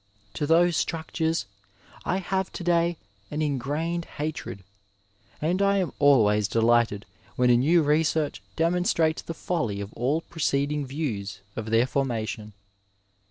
To those structures I have to day an ingrained hatred, and I am always delighted when a new research demonstrates the folly of all preceding views of their forma tion.